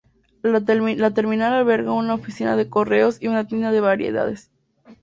La terminal alberga una oficina de correos y una tienda de variedades.